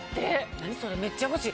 何それめっちゃ欲しい。